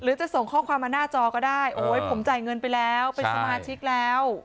จะส่งข้อความมาหน้าจอก็ได้โอ้ยผมจ่ายเงินไปแล้วเป็นสมาชิกแล้ว